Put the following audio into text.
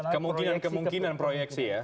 kemungkinan kemungkinan proyeksi ya